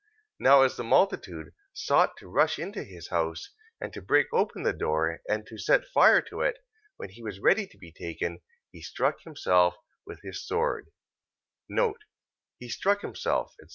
14:41. Now as the multitude sought to rush into his house, and to break open the door, and to set fire to it, when he was ready to be taken, he struck himself with his sword: He struck himself, etc...